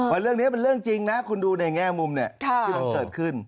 ว่าเรื่องนี้เป็นเรื่องจริงนะคุณดูในแง่มุมที่มันเกิดขึ้น